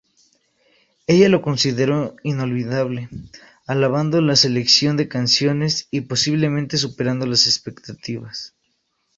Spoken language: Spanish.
Ella lo consideró "inolvidable", alabando la selección de canciones y, posiblemente, superando las expectativas.